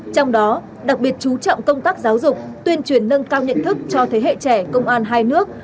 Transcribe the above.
trong đó đặc biệt chú trọng công tác giáo dục tuyên truyền nâng cao nhận thức cho thế hệ trẻ công an hai nước